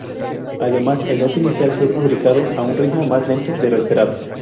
Además, el lote inicial fue fabricado a un ritmo más lento de lo esperado.